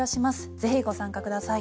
ぜひご参加ください。